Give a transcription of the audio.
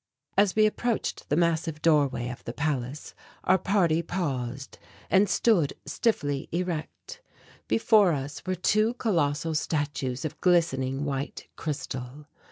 As we approached the massive doorway of the palace, our party paused, and stood stiffly erect. Before us were two colossal statues of glistening white crystal.